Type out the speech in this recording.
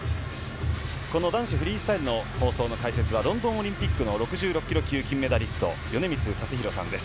この男子フリースタイルの放送の解説は、ロンドンオリンピックの６６キロ級金メダリスト、米満達弘さんです。